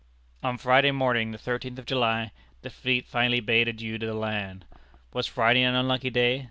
On Friday morning, the thirteenth of July, the fleet finally bade adieu to the land. Was Friday an unlucky day?